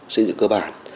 xây dựng cơ bản